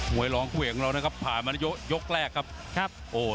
มวยร้องคู่เองของเรานะครับผ่านมาในยกแรกครับ